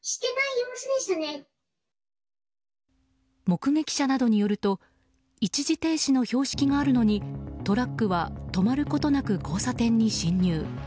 目撃者などによると一時停止の標識があるのにトラックは止まることなく交差点に進入。